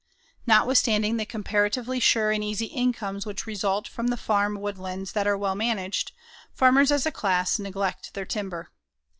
Notwithstanding the comparatively sure and easy incomes which result from the farm woodlands that are well managed, farmers as a class neglect their timber.